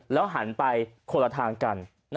หันไปคนละทางกัน